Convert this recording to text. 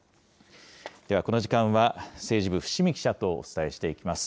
ではこの時間は、政治部、伏見記者とお伝えしていきます。